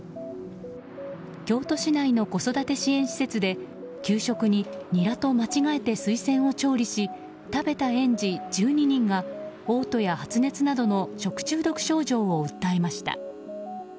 京都市内の子育て支援施設で給食にニラと間違えてスイセンを調理し食べた園児１２人がおう吐や発熱などの食中毒症状を訴えました。